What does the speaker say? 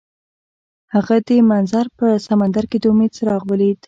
هغه د منظر په سمندر کې د امید څراغ ولید.